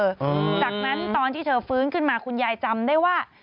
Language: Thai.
จากนั้นตอนที่เธอฟื้นขึ้นมาคุณยายจำได้ว่า